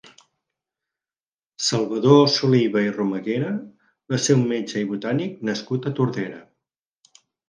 Salvador Soliva i Romaguera va ser un metge i botànic nascut a Tordera.